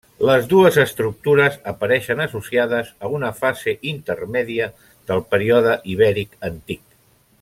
Les dues estructures apareixen associades a una fase intermèdia del Període Ibèric Antic.